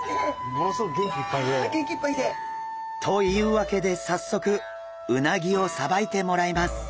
ものすごく元気いっぱいで。というわけで早速うなぎをさばいてもらいます。